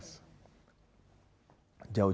jadi saya merangkap juga menjadi kepala biro kdh